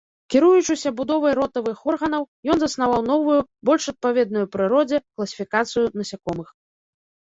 Кіруючыся будовай ротавых органаў, ён заснаваў новую, больш адпаведную прыродзе, класіфікацыю насякомых.